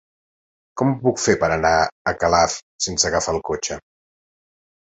Com ho puc fer per anar a Calaf sense agafar el cotxe?